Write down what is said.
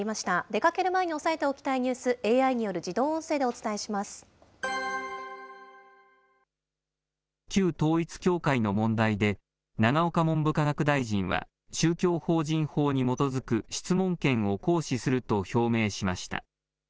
出かける前に押さえておきたいニュース、ＡＩによる自動音声でお旧統一教会の問題で、永岡文部科学大臣は、宗教法人法に基づく質問権を行使すると表明しました。